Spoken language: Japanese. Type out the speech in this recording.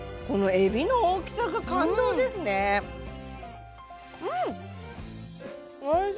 このエビの大きさが感動ですねうん！